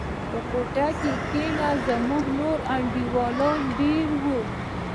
په كوټه کښې زموږ نور انډيوالان دېره وو.